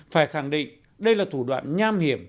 phải khẳng định đây là thủ đoạn nham hiểm